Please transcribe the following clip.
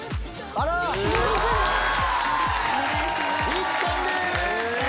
いくちゃんです！